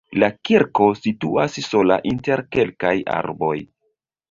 La kirko situas sola inter kelkaj arboj.